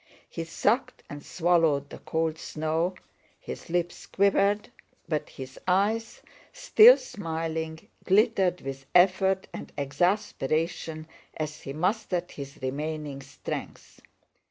He sucked and swallowed the cold snow, his lips quivered but his eyes, still smiling, glittered with effort and exasperation as he mustered his remaining strength.